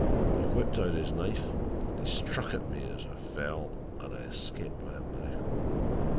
He whipped out his knife and struck at me as I fell and I escaped by a miracle.